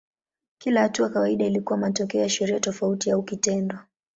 Kila hatua kawaida ilikuwa matokeo ya sheria tofauti au kitendo.